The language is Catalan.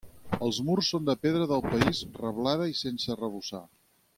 Els murs són de pedra del país reblada i sense arrebossar.